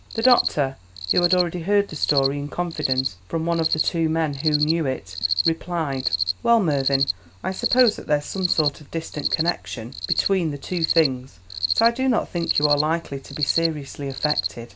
The doctor, who had already heard the story in confidence from one of the two men who knew it, replied: "Well, Mervyn, I suppose that there's some sort of distant connection between the two things, but I do not think you are likely to be seriously affected.